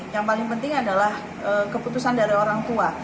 yang paling penting adalah keputusan dari orang tua